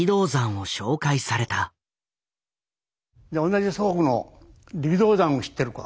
同じ祖国の力道山を知ってるか？